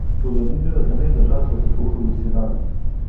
ټولنیزې رسنۍ د ږغ پورته کولو وسیله ده.